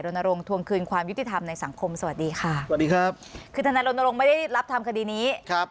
รณรงค์ทวงคืนความยุติธรรมในสังคมสวัสดีค่ะทนายโรนโรงไม่ได้รับทำคดีนี้